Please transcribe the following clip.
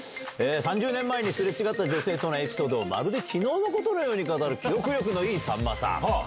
３０年前に擦れ違った女性とのエピソードをまるで昨日のことのように語る記憶力のいいさんまさん。